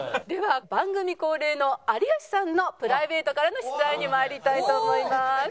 では番組恒例の有吉さんのプライベートからの出題にまいりたいと思います。